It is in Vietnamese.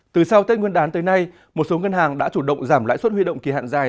từ sau tết nguyên đán tới nay một số ngân hàng đã chủ động giảm lãi suất huy động kỳ hạn dài